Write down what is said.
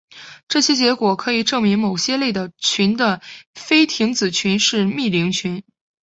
这结果可以证明某些类的群的菲廷子群是幂零群。